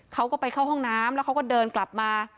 เขาก็ไปเข้าห้องน้ำแล้วเขาก็เดินกลับมา